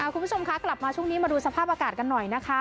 คุณผู้ชมคะกลับมาช่วงนี้มาดูสภาพอากาศกันหน่อยนะคะ